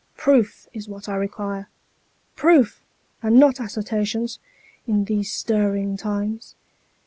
Proof, is what I require proof, and not assertions, in these stirring times.